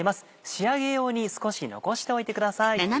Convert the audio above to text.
仕上げ用に少し残しておいてください。